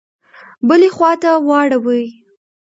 بلي خواته واړوي.